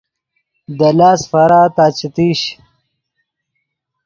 دے لاست فارا تا چے تیش